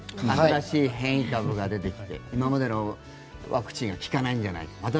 新しい変異株が出てきて今までのワクチンが効かないんじゃないか。